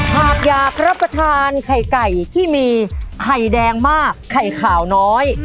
หากอยากรับประทานไข่ไก่ที่มีไข่แดงมากไข่ขาวน้อย